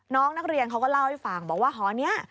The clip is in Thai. น้องนักเรียนเขาก็เล่าให้ฟังบอกว่าหอนี้